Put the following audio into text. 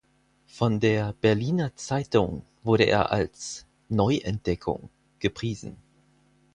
Von der "Berliner Zeitung" wurde er als „Neuentdeckung“ gepriesen.